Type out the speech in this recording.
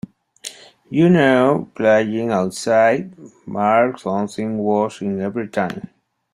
You knew playing outside Mark something was on every time.